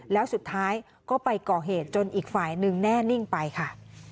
แล้วสุดท้ายก็ไปก่อเหตุจนอีกฝ่ายหนึ่งแน่นิ่งไปค่ะ